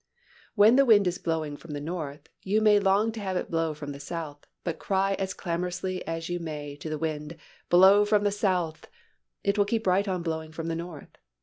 When the wind is blowing from the north you may long to have it blow from the south, but cry as clamorously as you may to the wind, "Blow from the south" it will keep right on blowing from the north.